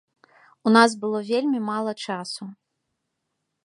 У нас было вельмі мала часу.